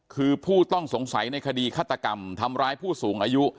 คือผู้ต้องสงสัยในคดีฆาตกรรมทำร้ายผู้สูงอายุ